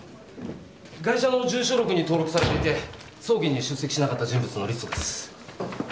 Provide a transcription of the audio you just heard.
ガイシャの住所録に登録されていて葬儀に出席しなかった人物のリストです。